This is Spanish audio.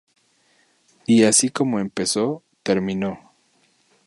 Y así como empezó, terminó.